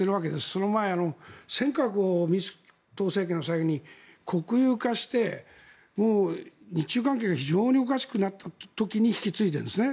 その前、尖閣を民主党政権の時に国有化して、日中関係が非常におかしくなったという時に引き継いでいるんですね。